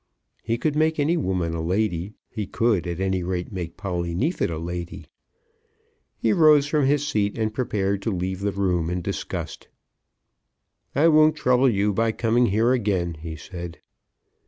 He could make any woman a lady; he could, at any rate, make Polly Neefit a lady. He rose from his seat, and prepared to leave the room in disgust. "I won't trouble you by coming here again," he said.